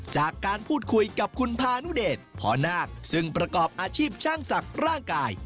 จากการพูดคุยกับคุณพานุเดชพอนาคซึ่งประกอบอาชีพช่างศักดิ์ร่างกาย